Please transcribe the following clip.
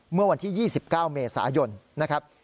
เมื่อวันที่๒๙เมษายนนะครับ